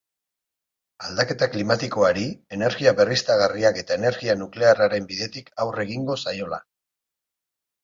Aldaketa klimatikoari, energia berriztagarriak eta energia nuklearraren bidetik aurre egingo zaiola.